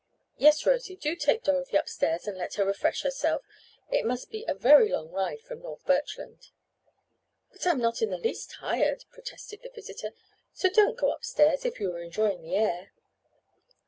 Yes, Rosie, do take Dorothy upstairs and let her refresh herself. It must be a very long ride from North Birchland." "But I'm not the least tired," protested the visitor. "So don't go upstairs, if you were enjoying the air."